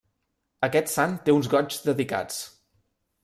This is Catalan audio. Aquest sant té uns Goigs dedicats.